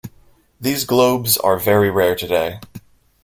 These globes are very rare today.